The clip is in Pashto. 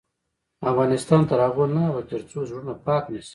افغانستان تر هغو نه ابادیږي، ترڅو زړونه پاک نشي.